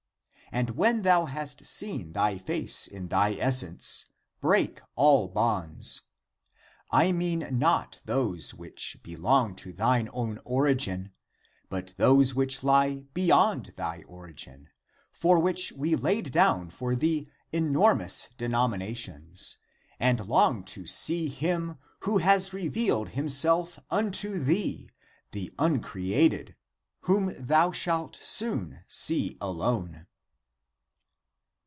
And when thou hast seen thy face in thy essence, break all bonds. I mean not those which belong to thine own origin, but those which lie beyond thy origin, for which we laid down for thee enormous denominations, and long to see him who has revealed himself unto thee, the uncreated, whom thou shalt soon see alone!